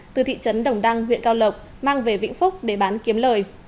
từ thị trấn đồng đăng huyện cao lộc mang về vĩnh phúc để bán kiếm lời